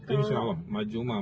insya allah maju mah